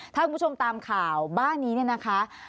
ถ้าคุณผู้ชมตามข่าวบ้านครัวนี้